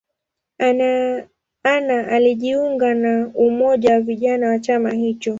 Anna alijiunga na umoja wa vijana wa chama hicho.